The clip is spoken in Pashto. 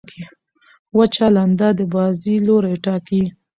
وچه لنده د بازۍ لوری ټاکي.